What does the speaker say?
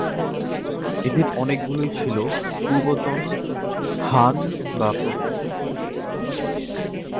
এদের অনেকগুলোই ছিল পূর্বতন হান বা প্রদেশ।